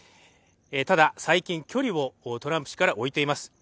ただ、最近、距離をトランプ氏から置いています。